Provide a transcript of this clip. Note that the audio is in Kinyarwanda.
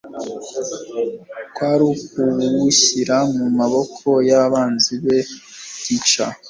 kwari ukuwushyira mu maboko y'abanzi be gica.